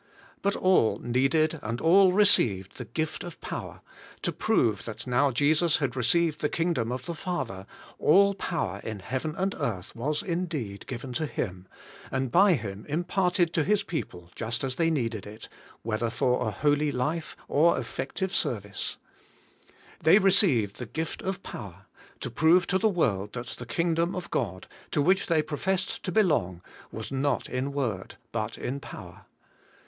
But all needed and all received the gift of power, to prove that now Jesus . had received the kingdom of the Father, all power in heaven and earth was indeed given to Him, and by Him imparted to His people just as they needed it, whether for a holy life or effective service. They re ceived the gift of power, to prove to the world that the kingdom of God, to which they professed to be long, was not in word but in power.